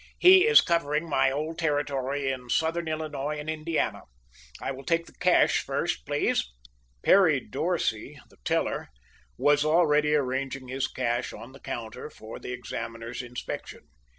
"He is covering my old territory in Southern Illinois and Indiana. I will take the cash first, please." Perry Dorsey, the teller, was already arranging his cash on the counter for the examiner's inspection.